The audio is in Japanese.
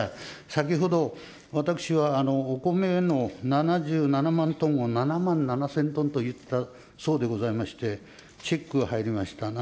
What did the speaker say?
先ほど、私は、お米の７７万トンを７万７０００トンと言ったそうでございまして、チェックが入りました。